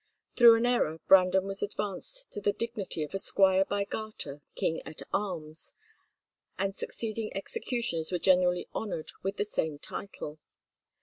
Through an error Brandon was advanced to the dignity of a squire by Garter, king at arms, and succeeding executioners were generally honoured with the same title.